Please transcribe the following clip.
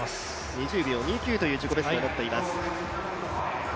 ２０秒２９という自己ベストを持っています。